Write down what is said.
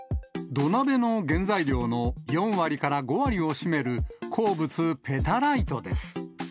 土鍋の原材料の４割から５割を占める、鉱物、ペタライトです。